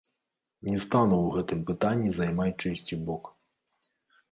Не стану ў гэтым пытанні займаць чыйсьці бок.